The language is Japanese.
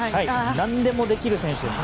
何でもできる選手です。